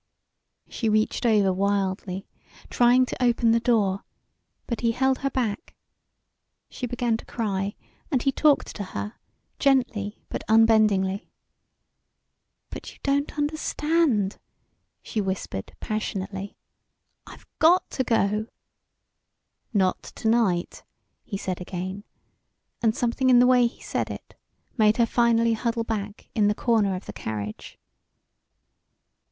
She reached over wildly, trying to open the door, but he held her back; she began to cry, and he talked to her, gently but unbendingly. "But you don't understand!" she whispered, passionately. "I've got to go!" "Not to night," he said again, and something in the way he said it made her finally huddle back in the corner of the carriage.